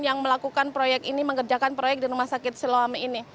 yang melakukan proyek ini mengerjakan proyek di rumah sakit siloam ini